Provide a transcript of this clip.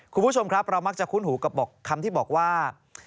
คุณผู้ชมครับเรามักจะคุ้นหูกับคำที่บอกว่า